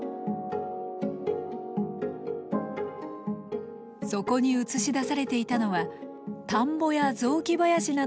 そこに映し出されていたのは田んぼや雑木林などの身近な自然。